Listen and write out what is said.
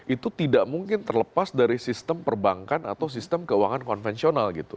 itu tidak mungkin terlepas dari sistem perbankan atau sistem keuangan konvensional gitu